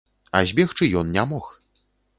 А збегчы ён не мог.